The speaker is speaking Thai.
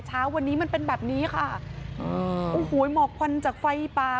เช้าวันนี้มันเป็นแบบนี้ค่ะอืมโอ้โหหมอกควันจากไฟป่า